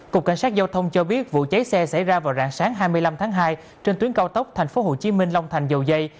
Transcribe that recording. cục cảnh sát giao thông cho biết vụ cháy xe xảy ra vào rạng sáng hai mươi năm tháng hai trên tuyến cao tốc tp hcm long thành dầu dây